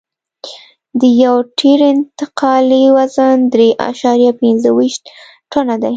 د یو ټیر انتقالي وزن درې اعشاریه پنځه ویشت ټنه دی